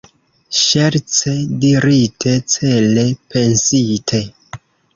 Ŝerce dirite, cele pensite.